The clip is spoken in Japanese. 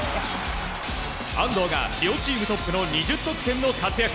安藤が両チームトップの２０得点の活躍。